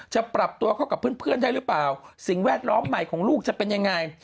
จะปรับตัวเข้ากับเพื่อนได้หรือเปล่าสิ่งแวดล้อมใหม่ของลูกจะเป็นยังไง